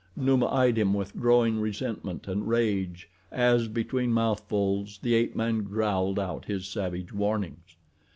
Numa eyed him with growing resentment and rage as, between mouthfuls, the ape man growled out his savage warnings.